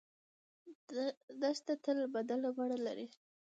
دښته تل بدله بڼه لري.